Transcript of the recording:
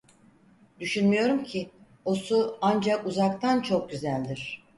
Düşünmüyorum ki, o su, ancak uzaktan çok güzeldir.